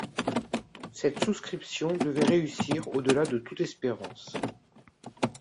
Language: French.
Cette souscription devait réussir au-delà de toute espérance.